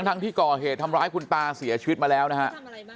ทั้งที่ก่อเหตุทำร้ายคุณตาเสียชีวิตมาแล้วนะฮะ